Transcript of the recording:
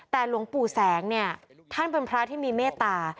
แต่หลวงปู่แสงเนี่ยท่านเป็นพระที่มีเมตตา